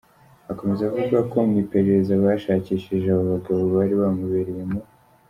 Akomeza avuga ko mu iperereza bashakishije abo bagabo bari bamubereye mu .